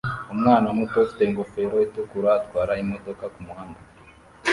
Umwana muto ufite ingofero itukura atwara imodoka kumuhanda